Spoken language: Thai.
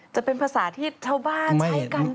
จะเป็นภาษาที่เช้าบ้านใช้กันประกัน